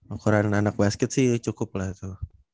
ukuran anak basket sih cukup lah itu